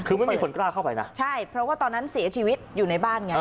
คือไม่มีคนกล้าเข้าไปนะใช่เพราะว่าตอนนั้นเสียชีวิตอยู่ในบ้านไง